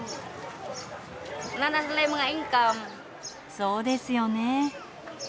そうですよね。